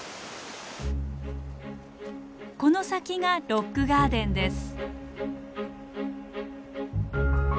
この先がロックガーデンです。